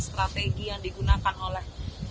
strategi yang digunakan oleh